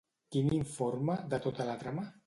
Qui n'informa, de tota la trama?